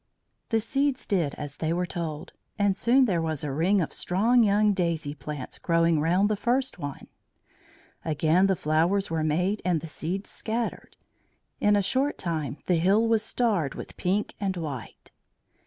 The seeds did as they were told, and soon there was a ring of strong young daisy plants growing round the first one. Again the flowers were made and the seeds scattered; in a short time the hill was starred with pink and white.